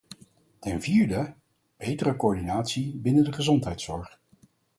Ten vierde: betere coördinatie binnen de gezondheidszorg.